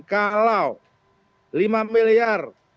kalau lima miliar